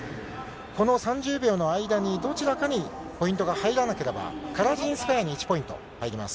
この３０秒の間に、どちらかにポイントが入らなければ、カラジンスカヤに１ポイント入ります。